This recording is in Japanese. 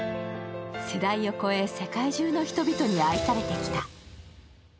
世代を超え世界中の人々に愛されてきた。